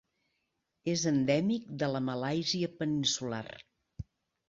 És endèmic de la Malàisia peninsular.